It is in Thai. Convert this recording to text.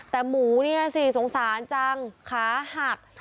แต่หมูสงสารจังขาหัก